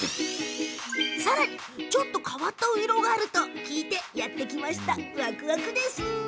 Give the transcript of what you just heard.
さらに、ちょっと変わったういろうがあると伺ってやって来ました。